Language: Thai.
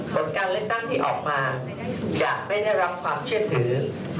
ผลการเลือกตั้งที่ออกมาจะไม่ได้รับความเชื่อถือ